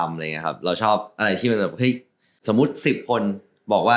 อะไรอย่างเงี้ยครับเราชอบอะไรที่มันแบบเฮ้ยสมมุติสิบคนบอกว่า